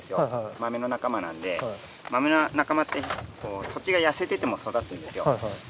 豆の仲間なんで豆の仲間ってこう土地がやせてても育つんですよ。